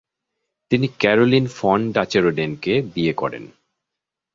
তিনি Caroline von ডাচেরোডেনকে বিয়ে করেন।